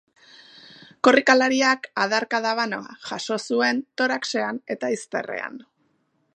Korrikalariak adarkada bana jaso zuen toraxean eta izterrean.